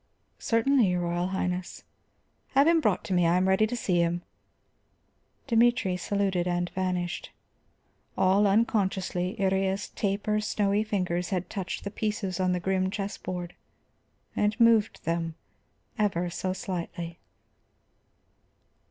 "Certainly, your Royal Highness." "Have him brought to me; I am ready to see him." Dimitri saluted and vanished. All unconsciously, Iría's taper, snowy fingers had touched the pieces on the grim chess board, and moved them ever so slightly.